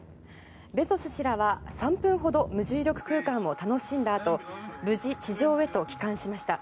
ベゾス氏らは３分ほど無重力空間を楽しんだあと無事、地上へと帰還しました。